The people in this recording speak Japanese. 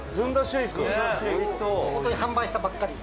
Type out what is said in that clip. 店員：本当に販売したばっかり。